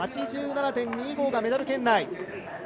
８７．２５がメダル圏内。